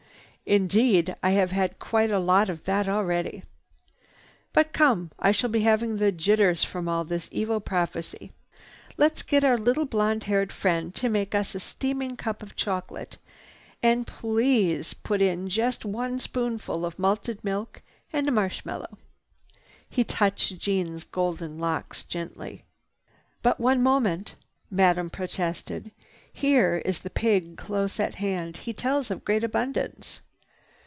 "Indeed I have had quite a lot of that already. But come! I shall be having the jitters from all this evil prophecy. Let's get our little blonde haired friend to make us a steaming cup of chocolate, and please put in just one spoonful of malted milk and a marshmallow." He touched Jeanne's golden locks gently. "But one moment!" Madame protested. "Here is the pig close at hand. He tells of great abundance."